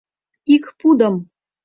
Ик пудым